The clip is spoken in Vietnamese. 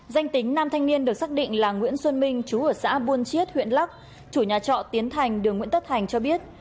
danh tính nam thanh niên được xác định là nguyễn xuân minh chú ở xã buôn chiết huyện lắc chủ nhà trọ tiến thành đường nguyễn tất thành cho biết